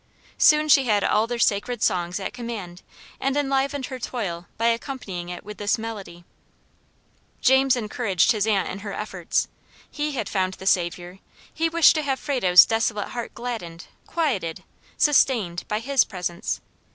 Soon she had all their sacred songs at command, and enlivened her toil by accompanying it with this melody. James encouraged his aunt in her efforts. He had found the SAVIOUR, he wished to have Frado's desolate heart gladdened, quieted, sustained, by HIS presence.